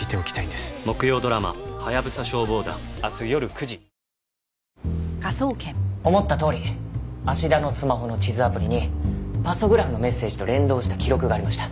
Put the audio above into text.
２人とも気をつけてね家族で話そう帯状疱疹思ったとおり芦田のスマホの地図アプリにパソグラフのメッセージと連動した記録がありました。